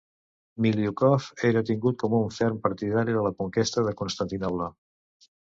Milyukov era tingut per un ferm partidari de la conquesta de Constantinoble.